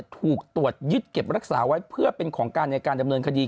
ถูกตรวจยึดเก็บรักษาไว้เพื่อเป็นของการในการดำเนินคดี